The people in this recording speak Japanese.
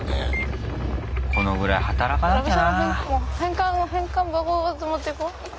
このぐらい働かなきゃな。